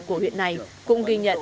của huyện này cũng ghi nhận